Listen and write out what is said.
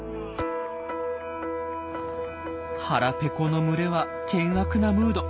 腹ペコの群れは険悪なムード。